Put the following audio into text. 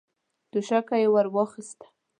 توشکه يې ور واخيسته.